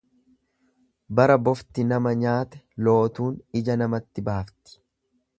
Bara bofti nama nyaate, lootuun ija namatti baafti.